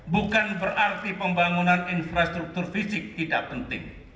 bukan berarti pembangunan infrastruktur fisik tidak penting